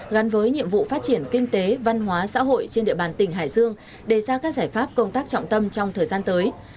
gắn với nhiệm vụ phát triển kinh tế văn hóa xã hội trên địa bàn tỉnh hải dương đề ra các giải pháp công tác trọng tâm trong thời gian tới